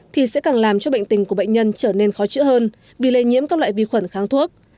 thì sẽ càng làm cho bệnh tình của bệnh nhân trở nên khó chữa hơn vì lây nhiễm các loại vi khuẩn kháng thuốc